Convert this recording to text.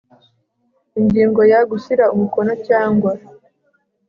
ingingo ya gushyira umukono cyangwa